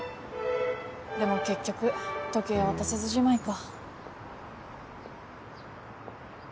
でも結局時計は渡せずじまいか。